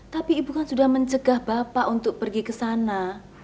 tapi ibu kan sudah mencegah bapak untuk pergi kesana